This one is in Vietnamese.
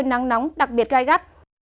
trời nắng nóng đặc biệt gai gắt